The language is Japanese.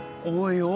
おい